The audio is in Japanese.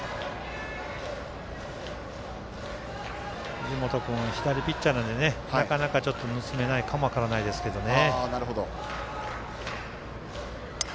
藤本君左ピッチャーなのでなかなか盗めないかも分からないですけどね。